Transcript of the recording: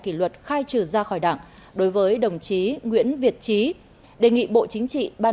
kỷ luật khai trừ ra khỏi đảng đối với đồng chí nguyễn việt trí đề nghị bộ chính trị ban